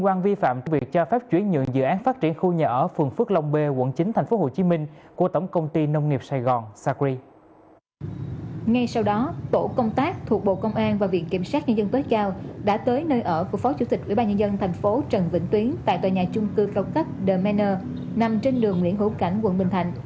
tại tòa nhà chung cư cao cấp the manor nằm trên đường nguyễn hữu cảnh quận bình thành